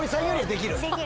できる。